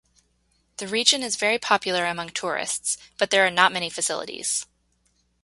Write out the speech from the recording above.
The region is very popular among tourists, but there are not many facilities.